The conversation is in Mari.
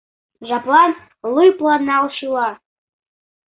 Жаплан лыпланалшыла.